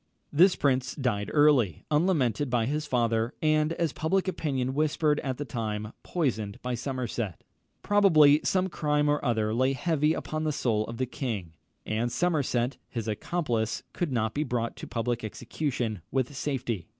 This prince died early, unlamented by his father, and, as public opinion whispered at the time, poisoned by Somerset. Probably some crime or other lay heavy upon the soul of the king; and Somerset, his accomplice, could not be brought to public execution with safety.